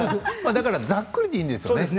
ざっくりでいいんですよね？